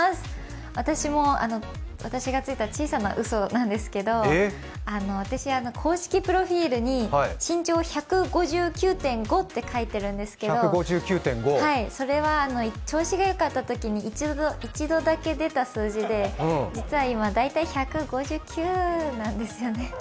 私がついた小さなうそなんですけど、私、公式プロフィールに身長が１５９．５って書いてあるんですけどそれは調子がよかったときに一度だけ出た数字で実は今、大体１５９なんですよね。